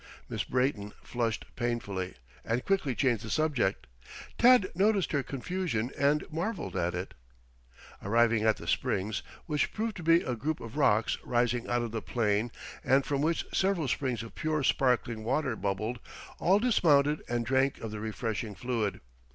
Miss Brayton flushed painfully, and quickly changed the subject. Tad noticed her confusion and marveled at it. Arriving at the Springs, which proved to be a group of rocks rising out of the plain, and from which several springs of pure sparkling water bubbled, all dismounted and drank of the refreshing fluid.